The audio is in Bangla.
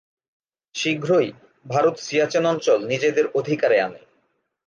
শীঘ্রই ভারত সিয়াচেন অঞ্চল নিজেদের অধিকারে আনে।